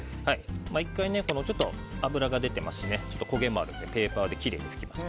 １回、ちょっと脂が出てますし焦げもあるのでペーパーできれいに拭きます。